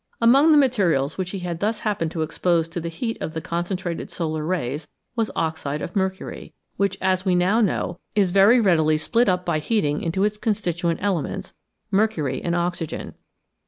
Among the materials which he thus happened to expose to the heat of the concentrated solar rays was oxide of mercury, which, as we now know, is very readily split up 335 GREAT DISCOVERIES by heating into its constituent elements, mercury and oxygen.